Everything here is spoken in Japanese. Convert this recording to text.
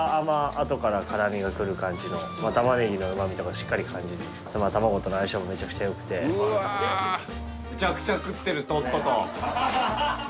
あとから辛みが来る感じのタマネギの旨味とかしっかり感じる玉子との相性もめちゃくちゃよくてうわおいしくなる？